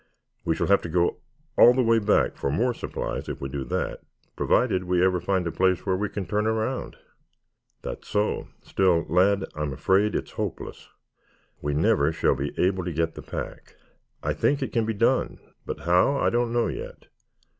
We shall have to go all the way back for more supplies if we do that, provided we ever find a place where we can turn around." "That is so. Still, lad, I am afraid it is hopeless. We never shall be able to get the pack." "I think it can be done, but how I don't know yet.